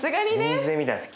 全然見てないです。